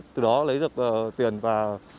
từ đó lấy được tiền và